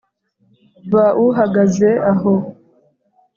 Ba uhagaze aho